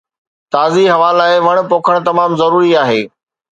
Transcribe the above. تازي هوا لاءِ وڻ پوکڻ تمام ضروري آهي.